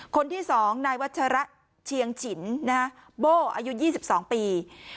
คนที่สองนายวัชระเชียงฉินนะฮะโบ่อายุ๒๒ปี